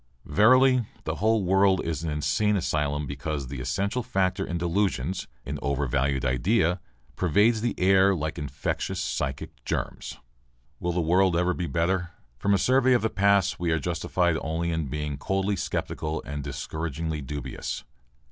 Verily, the whole world is an insane asylum because the essential factor in delusions, an overvalued idea, pervades the air like infectious psychic germs. Will the world ever be better? From a survey of the past we are justified only in being coldly sceptical and discouragingly dubious.